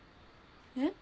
えっ？